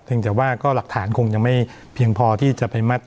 ยังแต่ว่าก็หลักฐานคงยังไม่เพียงพอที่จะไปมัด